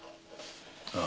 ああ。